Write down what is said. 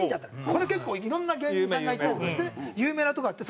これ結構いろんな芸人さんが行ったりとかして有名なとこあって。